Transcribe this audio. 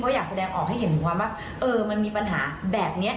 เพราะอยากแสดงออกให้เห็นว่าเออมันมีปัญหาแบบเนี้ย